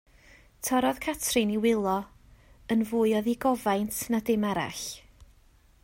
Torrodd Catrin i wylo, yn fwy o ddigofaint na dim arall.